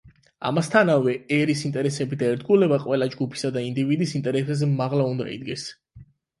ამასთანავე, ერის ინტერესები და ერთგულება ყველა ჯგუფისა და ინდივიდის ინტერესზე მაღლა უნდა იდგეს.